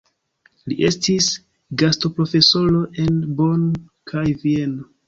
Li estis gastoprofesoro en Bonn kaj Vieno.